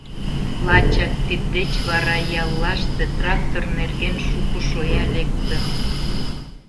Лачак тиддеч вара яллаште трактор нерген шуко шоя лектын.